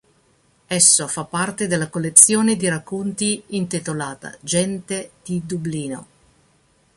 Esso fa parte della collezione di racconti intitolata "Gente di Dublino".